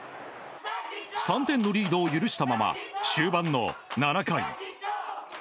３点のリードを許したまま終盤の７回。